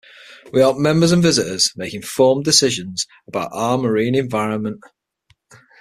We help members and visitors make informed decisions about our marine environment.